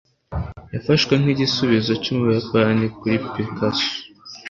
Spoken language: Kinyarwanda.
yafashwe nk'igisubizo cy'ubuyapani kuri picasso